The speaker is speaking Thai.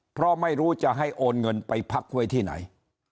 เพราะไม่รู้จะให้โอนเงินไปพักไว้ที่ไหน